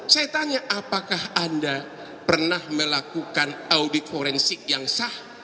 saya tanya apakah anda pernah melakukan audit forensik yang sah